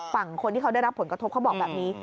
ฝั่งคนที่เขาได้รับผลกระทบเขาบอกแบบนี้